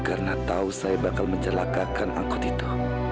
karena tau saya bakal mencelakakan angkot itu